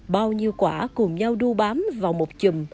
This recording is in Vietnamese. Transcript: bao nhiêu quả cùng nhau đu bám vào một chùm